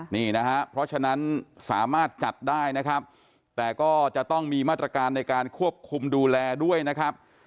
นี่นะฮะเพราะฉะนั้นสามารถจัดได้นะครับแต่ก็จะต้องมีมาตรการในการควบคุมดูแลด้วยนะครับ